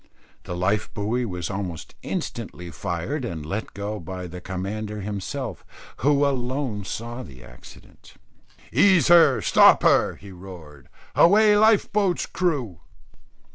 The life buoy was almost instantly fired and let go by the commander himself, who alone saw the accident. "Ease her! stop her!" he roared. "Away life boat's crew!"